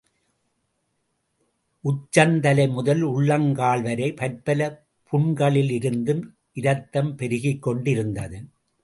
உச்சந்தலை முதல் உள்ளங்கால்வரை பற்பல புண்களிலிருந்தும் இரத்தம் பெருகிக்கொண்டிருந்தது.